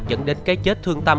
dẫn đến cái chết thương tâm